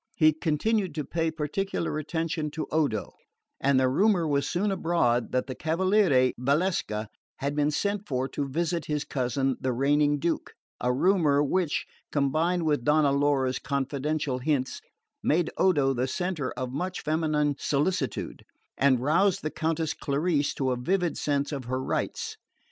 He continued to pay particular attention to Odo, and the rumour was soon abroad that the Cavaliere Valsecca had been sent for to visit his cousin, the reigning Duke; a rumour which, combined with Donna Laura's confidential hints, made Odo the centre of much feminine solicitude, and roused the Countess Clarice to a vivid sense of her rights.